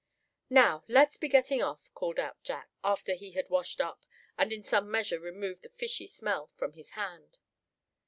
"Now, let's be getting off!" called out Jack, after he had washed up, and in some measure removed the fishy smell from his hands.